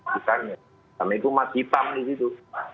karena itu masih pam di situ